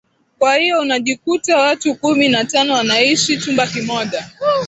kwa hiyo unajikuta watu kumi na tano wanaaiishi chumba kimoja